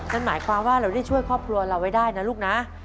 นั่นหมายความว่าเราได้ช่วยครอบครัวเราไว้ได้นะลูกนะ